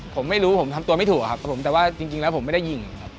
ผมไม่รู้ผมทำตัวไม่ถูกอะครับผมแต่ว่าจริงแล้วผมไม่ได้ยิงครับ